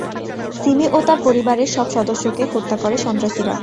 সিমি ও তার পরিবারের সব সদস্যকে হত্যা করে সন্ত্রাসীরা।